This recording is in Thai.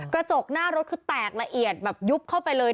กระจกหน้ารถคือแตกละเอียดแบบยุบเข้าไปเลย